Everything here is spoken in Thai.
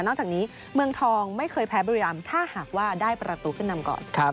จากนี้เมืองทองไม่เคยแพ้บุรีรำถ้าหากว่าได้ประตูขึ้นนำก่อน